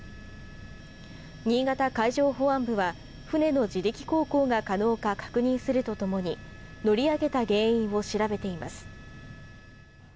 新潟海上保安部は船の自力航行が可能か確認するとともに乗り上げた原因を調べています。